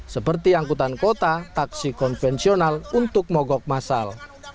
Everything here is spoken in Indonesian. seperti angkutan kota taksi konvensional untuk mogok masal